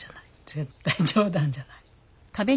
絶対冗談じゃない。